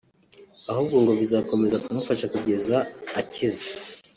ahubwo ko bizakomeza kumufasha kugeza akize